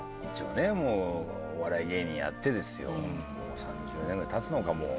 お笑い芸人やってですよ、３０年ぐらいたつのか、もう。